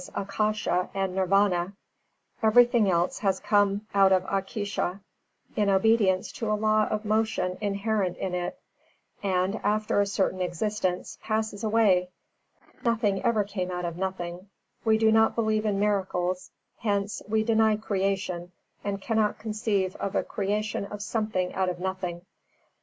_, Ākāsha, and Nirvāna. Everything has come ont of Ākāsha, in obedience to a law of motion inherent in it, and, after a certain existence, passes away. Nothing ever came out of nothing. We do not believe in miracles; hence we deny creation, and cannot conceive of a creation of something out of nothing.